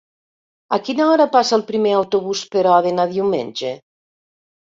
A quina hora passa el primer autobús per Òdena diumenge?